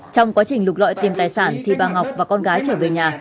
trong quá trình lục lọi tìm tài sản thì bà ngọc và con gái trở về nhà